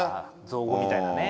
造語みたいなね